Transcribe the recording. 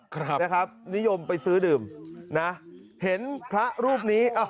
ครับนะครับนิยมไปซื้อดื่มนะเห็นพระรูปนี้อ้าว